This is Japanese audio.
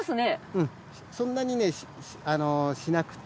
うんそんなにねしなくて。